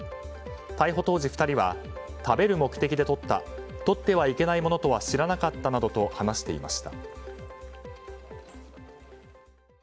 逮捕当時、２人は食べる目的でとったとってはいけないものとは知らなかったなどと話していました。